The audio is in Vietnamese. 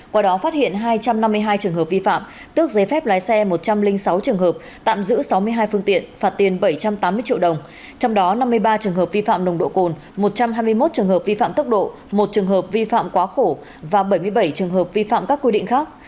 qua đó phát hiện hai trăm năm mươi hai trường hợp vi phạm tước giấy phép lái xe một trăm linh sáu trường hợp tạm giữ sáu mươi hai phương tiện phạt tiền bảy trăm tám mươi triệu đồng trong đó năm mươi ba trường hợp vi phạm nồng độ cồn một trăm hai mươi một trường hợp vi phạm tốc độ một trường hợp vi phạm quá khổ và bảy mươi bảy trường hợp vi phạm các quy định khác